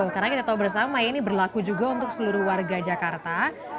karena kita tahu bersama ini berlaku juga untuk seluruh warga jakarta